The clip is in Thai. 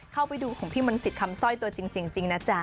เข้าไปดูของพี่มนต์สิทธิ์คำสร้อยตัวจริงนะจ๊ะ